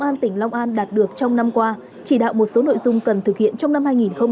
công an tỉnh long an đạt được trong năm qua chỉ đạo một số nội dung cần thực hiện trong năm hai nghìn hai mươi